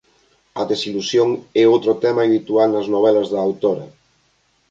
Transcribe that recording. A desilusión é outro tema habitual nas novelas da autora.